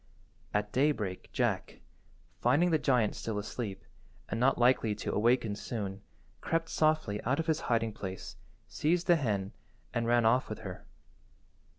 At daybreak Jack, finding the giant still asleep, and not likely to awaken soon, crept softly out of his hiding–place, seized the hen, and ran off with her.